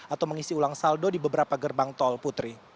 atau mengisi ulang saldo di beberapa gerbang tol putri